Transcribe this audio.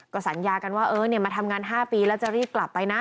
สัญญากันว่าเออมาทำงาน๕ปีแล้วจะรีบกลับไปนะ